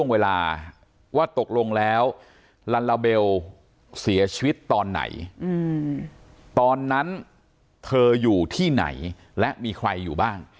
เวลาว่าตกลงแล้วลัลลาเบลเสียชีวิตตอนไหนตอนนั้นเธออยู่ที่ไหนและมีใครอยู่บ้าง